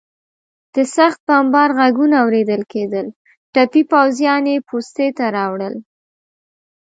د سخت بمبار غږونه اورېدل کېدل، ټپي پوځیان یې پوستې ته راوړل.